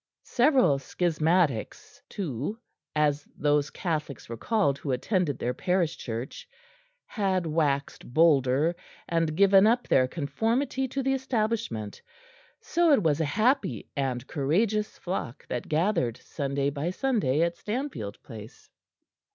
Several "schismatics" too as those Catholics were called who attended their parish church had waxed bolder, and given up their conformity to the Establishment; so it was a happy and courageous flock that gathered Sunday by Sunday at Stanfield Place.